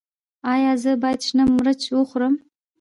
ایا زه باید شنه مرچ وخورم؟